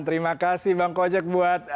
terima kasih bang kojek buat